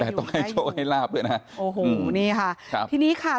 แต่ต้องให้โชคให้ลาบด้วยนะโอ้โหนี่ค่ะครับทีนี้ค่ะ